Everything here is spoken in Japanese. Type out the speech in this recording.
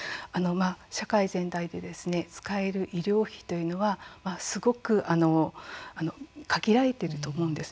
社会全体で使える医療費というのは、すごく限られていると思うんです。